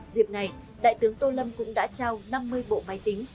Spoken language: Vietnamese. dịp này đại tướng tô lâm cũng đã trao năm mươi bộ máy tính